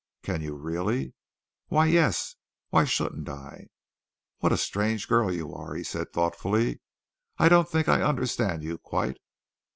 "Can you, really?" "Why, yes. Why shouldn't I?" "What a strange girl you are!" he said thoughtfully. "I don't think I understand you quite."